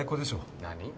何？